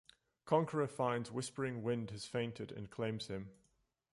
Conqueror finds Whispering Wind has fainted and claims him.